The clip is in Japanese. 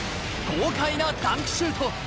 豪快なダンクシュート。